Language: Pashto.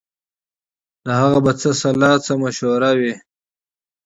د هغه به څه سلا څه مشوره وي